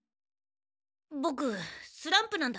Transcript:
ボクスランプなんだ。